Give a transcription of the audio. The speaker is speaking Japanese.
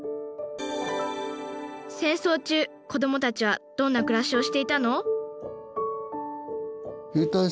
戦争中子どもたちはどんな暮らしをしていたの？